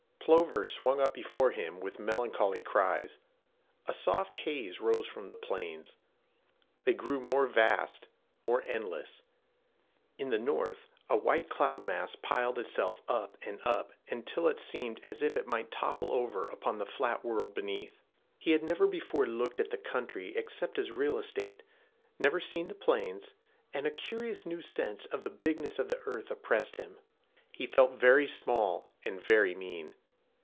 Plover swung up before him with melancholy cries. A soft haze rose from the plains. They grew more vast, more endless. In the north, a white cloud mass piled itself up and up until it seemed as if it might topple over upon the flat world beneath. He had never before looked at the country except as real estate, never seen the plains, and a curious new sense of the bigness of the earth oppressed him. He felt very small and very mean.